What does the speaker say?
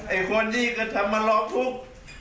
ไอ้คนที่กระทำมาร้องทุกข์